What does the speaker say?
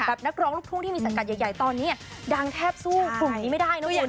นักร้องลูกทุ่งที่มีสังกัดใหญ่ตอนนี้ดังแทบสู้กลุ่มนี้ไม่ได้นะคุณ